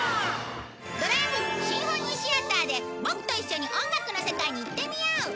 ドラえもん交響楽シアターでボクと一緒に音楽の世界に行ってみよう！